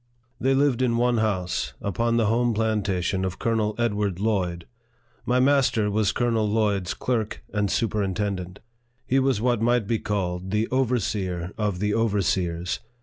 They lived in one house, upon the home plantation of Colonel Edward Lloyd. My master was Colonel Lloyd's clerk and superintend ent. He was what might be called the overseer of the overseers.